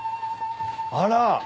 あら。